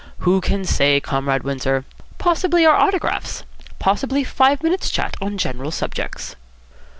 "Who can say, Comrade Windsor? Possibly our autographs. Possibly five minutes' chat on general subjects."